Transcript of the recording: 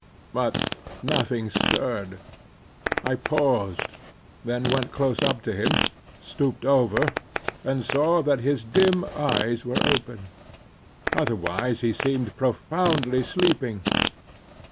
But nothing stirred. I paused; then went close up to him; stooped over, and saw that his dim eyes were open; otherwise he seemed profoundly sleeping.